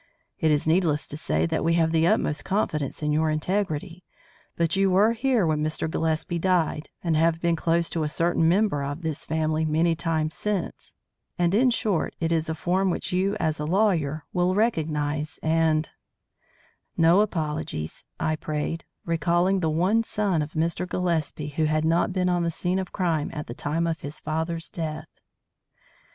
It is needless to say that we have the utmost confidence in your integrity, but you were here when Mr. Gillespie died, and have been close to a certain member of this family many times since and, in short, it is a form which you as a lawyer will recognise and " "No apologies," I prayed, recalling the one son of Mr. Gillespie who had not been on the scene of crime at the time of his father's death.